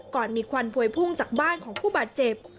ก่อนมีควันพวยพุ่งจากบ้านของผู้บาดเจ็บ